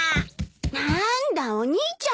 なんだお兄ちゃんか。